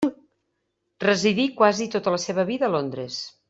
Residí quasi tota la seva vida a Londres.